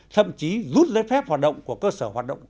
thậm chí rút lấy phép hoạt động của cơ sở hoạt động